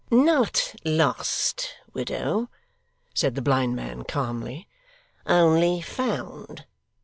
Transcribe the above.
'Not lost, widow,' said the blind man, calmly; 'only found.